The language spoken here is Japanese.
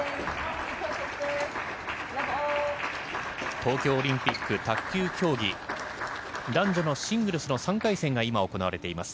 東京オリンピック卓球競技男女のシングルスの３回戦が今、行われています。